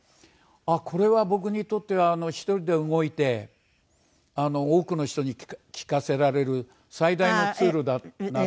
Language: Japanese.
これは僕にとっては１人で動いて多くの人に聴かせられる最大のツールだなと。